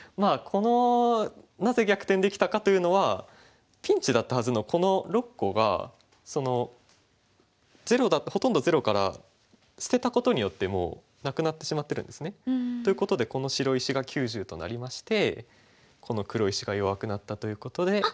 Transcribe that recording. このなぜ逆転できたかというのはピンチだったはずのこの６個がほとんどゼロから捨てたことによってなくなってしまってるんですね。ということでこの白石が９０となりましてこの黒石が弱くなったということで。